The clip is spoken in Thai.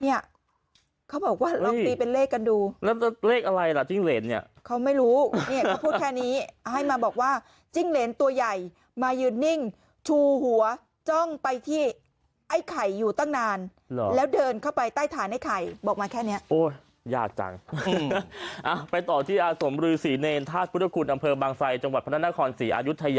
เขาบอกว่าลองตีเป็นเลขกันดูแล้วเลขอะไรล่ะจิ้งเหรนเนี่ยเขาไม่รู้เนี่ยเขาพูดแค่นี้ให้มาบอกว่าจิ้งเหรนตัวใหญ่มายืนนิ่งชูหัวจ้องไปที่ไอ้ไข่อยู่ตั้งนานแล้วเดินเข้าไปใต้ฐานไอ้ไข่บอกมาแค่เนี้ยโอ้ยยากจังไปต่อที่อาสมรือศรีเนรธาตุพุทธคุณอำเภอบางไซจังหวัดพระนครศรีอายุทยา